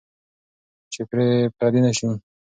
چې پردي نشئ.